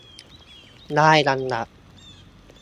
ได้อันดับ